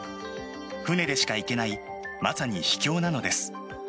船でしか行けないまさに秘境なのです。